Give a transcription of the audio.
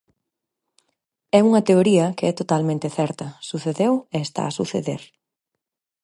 É unha teoría que é totalmente certa, sucedeu, e está a suceder.